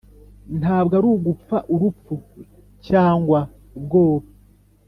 ntabwo ari ugupfa urupfu, cyangwa ubwoba;